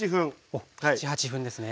おっ７８分ですね。